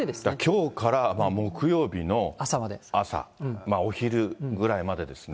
きょうから木曜日の朝、お昼ぐらいまでですね。